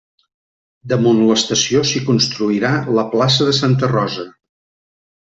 Damunt l'estació s'hi construirà la plaça de Santa Rosa.